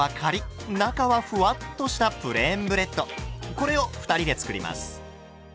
これを２人で作ります。